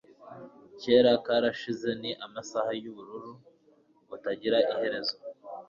kera karashize ni amasaha yubururu butagira iherezo